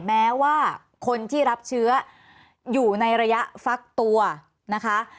แม้ว่าคนที่รับเชื้ออยู่ในระยะฟักตัวนะคะ